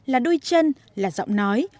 là đôi chân là giọng nói